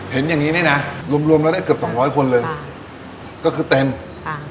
เห็นอย่างงี้เนี้ยนะรวมแล้วได้เกือบสองร้อยคนเลยค่ะก็คือเต็มค่ะ